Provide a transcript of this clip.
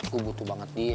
gue butuh banget dia